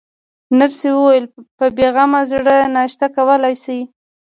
نرسې وویل: په بې غمه زړه ناشته کولای شئ.